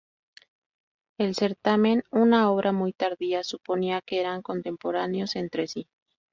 El "Certamen", una obra muy tardía, suponía que eran contemporáneos entre sí.